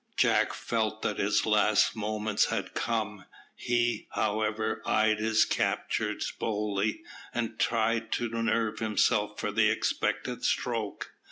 Jack felt that his last moments had come. He, however, eyed his captors boldly, and tried to nerve himself for the expected stroke.